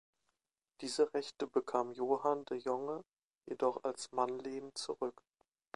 Diese Rechte bekam Johan de jonge jedoch als Mannlehen zurück.